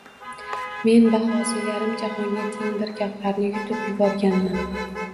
- Men bahosi yarim jahonga teng bir gavharni yutib yuborganman